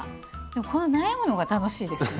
この悩むのが楽しいですね。